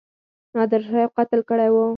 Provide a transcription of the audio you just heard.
نادرشاه یو قتل کړی وو.